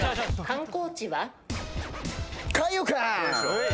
観光地は？